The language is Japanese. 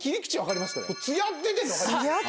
つや出てるの分かります？